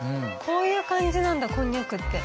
こういう感じなんだこんにゃくって。